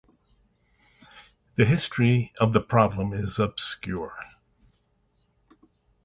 The history of the problem is obscure.